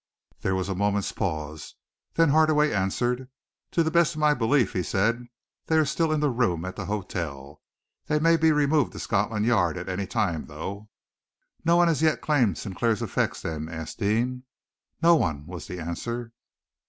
There was a moment's pause. Then Hardaway answered. "To the best of my belief," he said, "they are still in the room at the hotel. They may be removed to Scotland Yard at any time, though." "No one has yet claimed Sinclair's effects, then?" asked Deane. "No one," was the answer.